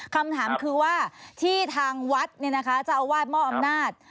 คำถามคือว่าที่ทางวัดเจ้าอาวาสมอบอำนาจ